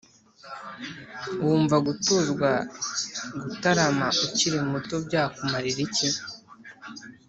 wumva gutozwa gutarama ukiri muto byakumarira iki?